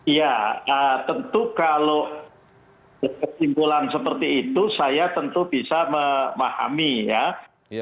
ya tentu kalau kesimpulan seperti itu saya tentu bisa memahami ya